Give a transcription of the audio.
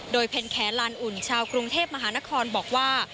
โดยเพ็ญแขลานอุ่นชาวกรุงเทพมหานครบอกว่า